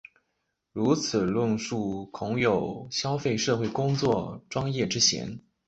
如此的论述恐有消费社会工作专业之嫌。